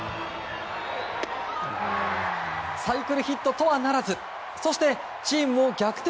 サイクルヒットとはならずそしてチームも逆転